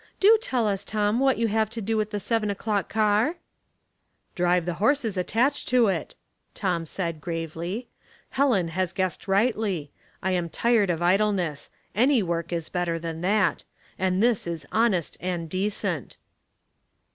Do tell us, Tom, what you have to do with the seven o'clock car." 350 Household Puzzles. " Drive the horses attached to it," Tom said, gravely. " Helen has guessed rightly. I am tired of idleness — ariT/ work is better than that ; and this is honest and decent."